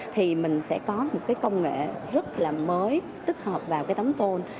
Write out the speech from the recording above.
thì mình sẽ có một cái công nghệ rất là mới tích hợp vào cái tấm tôn